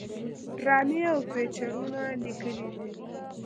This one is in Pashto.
ډرامې او فيچرونه ليکلي دي